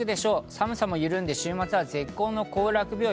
寒さも緩んで週末は絶好の行楽日和。